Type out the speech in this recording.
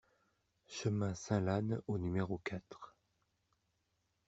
Chemin Saint-Lannes au numéro quatre